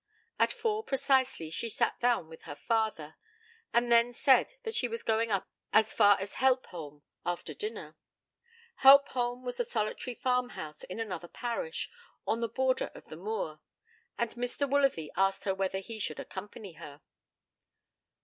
At four precisely she sat down with her father, and then said that she was going up as far as Helpholme after dinner. Helpholme was a solitary farmhouse in another parish, on the border of the moor, and Mr. Woolsworthy asked her whether he should accompany her.